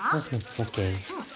ＯＫ。